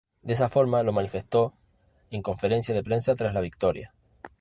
De esa forma lo manifestó en conferencia de prensa tras la victoria.